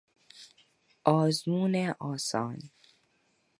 آزمون آسان